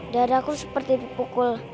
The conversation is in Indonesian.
dadaku seperti dipukul